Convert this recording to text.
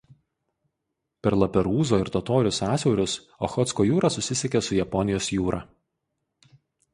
Per Laperūzo ir Totorių sąsiaurius Ochotsko jūra susisiekia su Japonijos jūra.